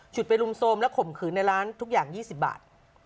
ไปรุมโทรมและข่มขืนในร้านทุกอย่าง๒๐บาท